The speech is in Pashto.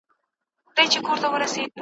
دا دریاب دی موږ ته پاته دي مزلونه `